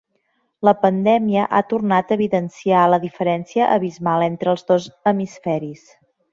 La pandèmia ha tornat a evidenciar la diferència abismal entre els dos hemisferis.